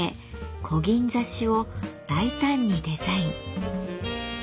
こぎん刺しを大胆にデザイン。